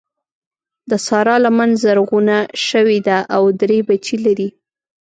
د سارا لمن زرغونه شوې ده او درې بچي لري.